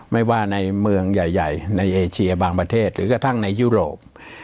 ไม่ว่าในเมืองใหญ่ในเอเชียบางประเทศหรือกระทั่งในยุโรป